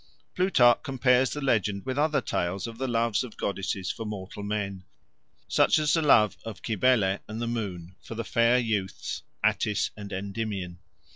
Plutarch compares the legend with other tales of the loves of goddesses for mortal men, such as the love of Cybele and the Moon for the fair youths Attis and Endymion.